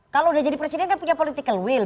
kalau udah jadi presiden kan punya political will